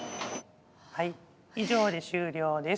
はい以上で終了です。